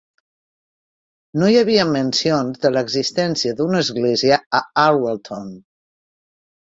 No hi havia mencions de l'existència d'una església a Alwalton.